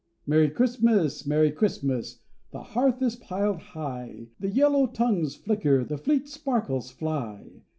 Merry Christmas! Merry Christmas! the hearth is piled high. The yellow tongues flicker, the fleet sparkles fly.